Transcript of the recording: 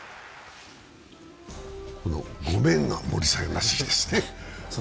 この「ごめん」が森さんらしいですね。